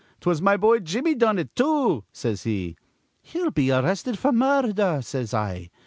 'Twas my boy Jimmy done it, too,' says he. 'He'll be arrested f'r murdher,' says I.